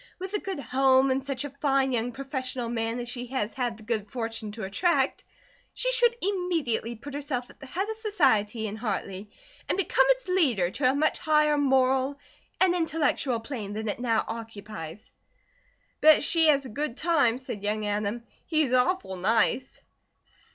With a good home and such a fine young professional man as she has had the good fortune to attract, she should immediately put herself at the head of society in Hartley and become its leader to a much higher moral and intellectual plane than it now occupies." "Bet she has a good time," said young Adam. "He's awful nice."